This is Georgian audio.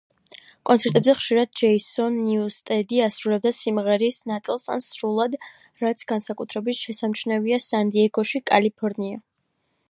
კონცერტებზე ხშირად ჯეისონ ნიუსტედი ასრულებდა სიმღერის ნაწილს ან სრულად, რაც განსაკუთრებით შესამჩნევია სან-დიეგოში, კალიფორნია.